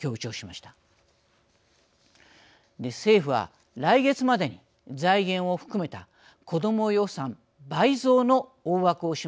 政府は来月までに財源を含めたこども予算倍増の大枠を示す方針となっています。